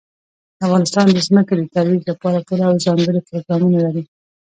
افغانستان د ځمکه د ترویج لپاره پوره او ځانګړي پروګرامونه لري.